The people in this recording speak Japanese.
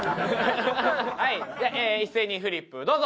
はい一斉にフリップどうぞ！